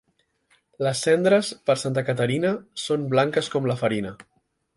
Les cendres, per Santa Caterina, són blanques com la farina.